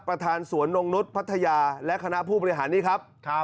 ประธานสวนนงนุษย์พัทยาและคณะผู้บริหารนี่ครับ